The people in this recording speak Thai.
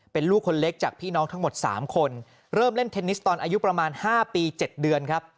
เป็นลูกคนเล็กจากพี่น้องทั้งหมด๓คนเริ่มเล่นเทนนิสตอนอายุประมาณ๕ปี๗เดือนครับ